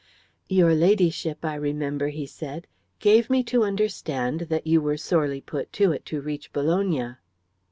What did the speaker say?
"Your Ladyship, I remember," he said, "gave me to understand that you were sorely put to it to reach Bologna."